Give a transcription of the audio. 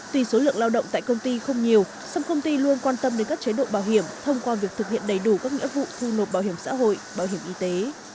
tuy số lượng lao động tại công ty không nhiều xâm công ty luôn quan tâm đến các chế độ bảo hiểm thông qua việc thực hiện đầy đủ các nghĩa vụ thu nộp bảo hiểm xã hội bảo hiểm y tế